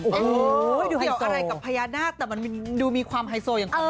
โอ้โหเกี่ยวอะไรกับพญานาคแต่มันดูมีความไฮโซอย่างอื่น